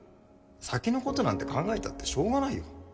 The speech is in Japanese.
先のことなんて考えたってしょうがないよ